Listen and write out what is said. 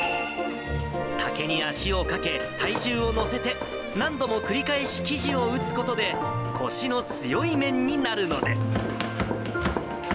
竹に足をかけ、体重を載せて、何度も繰り返し生地を打つことで、こしの強い麺になるのです。